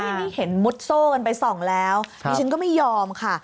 นี่เห็นมุดโซ่กันไปส่องแล้วดิฉันก็ไม่ยอมค่ะ